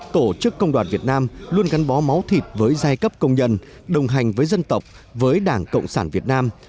tổ chức công đoàn việt nam luôn gắn bó máu thịt với giai cấp công nhân đồng hành với dân tộc với đảng cộng sản việt nam